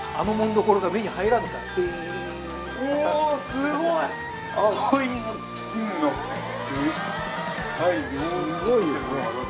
すごいですね。